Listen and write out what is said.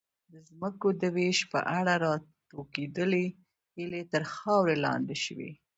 د ځمکو د وېش په اړه راټوکېدلې هیلې تر خاورې لاندې شوې.